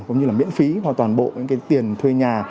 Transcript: cũng như là miễn phí hoặc toàn bộ những cái tiền thuê nhà